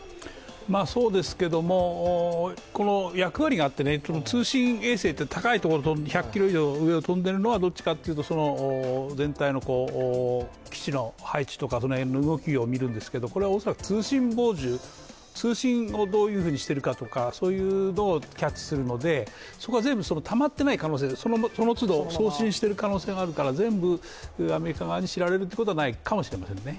そうですけど、役割があって、通信衛星って高い所１００ｋｍ以上上を飛んでいるのはどちらかというと全体の基地の配置とかその辺の動きを見るんですけど、これは恐らく通信傍受、通信をどういうふうにしているのかとかキャッチするのでそこは全部たまっていない可能性、その都度送信している可能性があるから、全部アメリカ側に知られるということはないかもしれないですね。